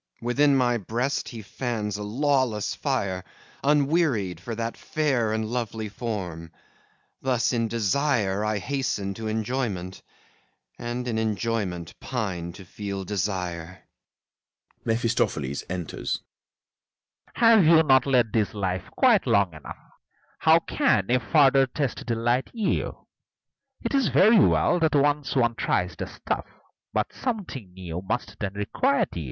Within my breast he fans a lawless fire, Unwearied, for that fair and lovely form: Thus in desire I hasten to enjoyment, And in enjoyment pine to feel desire. (MEPHISTOPHELES enters.) MEPHISTOPHELES Have you not led this life quite long enough? How can a further test delight you? 'Tis very well, that once one tries the stuff, But something new must then requite you.